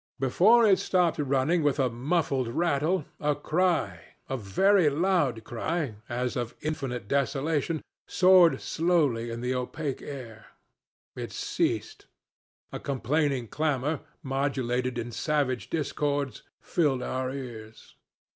Before it stopped running with a muffled rattle, a cry, a very loud cry, as of infinite desolation, soared slowly in the opaque air. It ceased. A complaining clamor, modulated in savage discords, filled our ears.